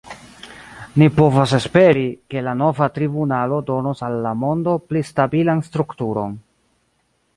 Ni povas esperi, ke la nova tribunalo donos al la mondo pli stabilan strukturon.